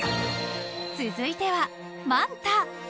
［続いてはマンタ］